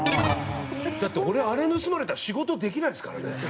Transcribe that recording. だって俺あれ盗まれたら仕事できないですからね。